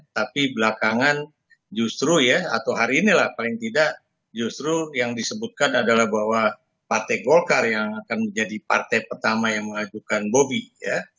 tapi belakangan justru ya atau hari ini lah paling tidak justru yang disebutkan adalah bahwa partai golkar yang akan menjadi partai pertama yang mengajukan bobby ya